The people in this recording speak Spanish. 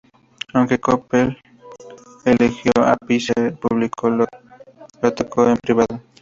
Aunque Keppel elogió a Palliser en público, lo atacó en privado.